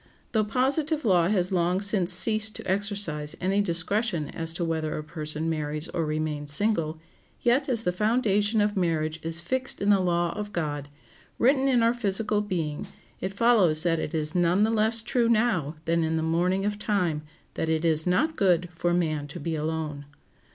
Though positive law has long since ceased to exercise any discretion as to whether a person marries or remains single, yet, as the foundation of marriage is fixed in the law of God, written in our physical being, it follows that it is none the less true now than in the morning of time that it is "not good for man to be alone."